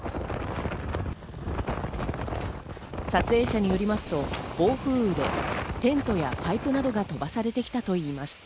撮影者によりますと、暴風雨でテントやパイプなどが飛ばされてきたといいます。